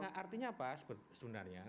nah artinya apa sebenarnya